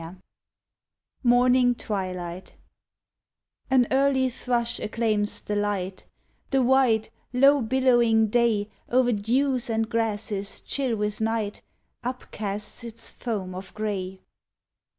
61 MORNING TWILIGHT An early thrush acclaims the light — The wide, low billowing day O'er dews and grasses chill with night Upcasts its foam of grey.